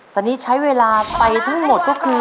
ตอนนี้ใช้เวลาไปทั้งหมดก็คือ